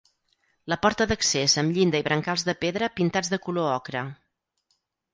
La porta d'accés amb llinda i brancals de pedra pintats de color ocre.